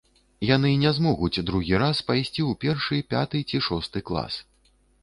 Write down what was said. Яны не змогуць другі раз пайсці ў першы, пяты ці шосты клас.